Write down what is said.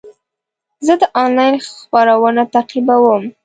زه د انلاین خپرونه تعقیبوم.